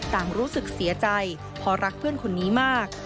ต่างรู้สึกเสียใจพอรักเพื่อนคนนี้มาก